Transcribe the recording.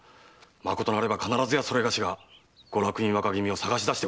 まことなれば必ずやそれがしがご落胤の若君を捜し出します。